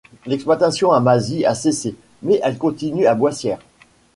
L'exploitation à Mazy a cessé, mais elle continue à Bossière.